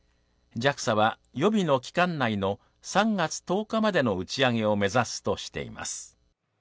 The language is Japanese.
ＪＡＸＡは予備の期間内の３月１０日までの打ち上げを目指すとしています。